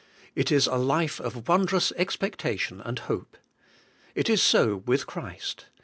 It is a life of wondrous expectation and hope. It is so with Christ.